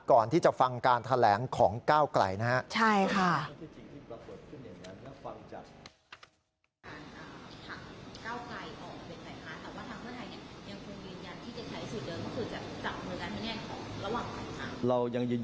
ก่อนที่จะฟังการแถลงของก้าวไกลนะครับ